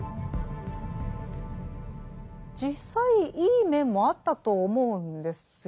実際いい面もあったと思うんですよ。